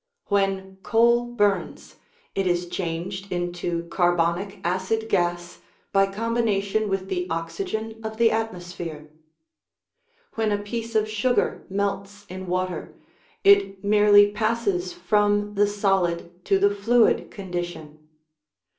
When coal burns, it is changed into carbonic acid gas by com bination with the oxygen of the atmosphere; when a piece of sugar melts in water, it merely passes from the solid to the fluid condition.